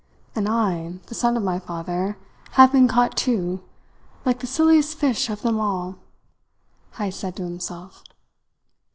"And I, the son of my father, have been caught too, like the silliest fish of them all." Heyst said to himself.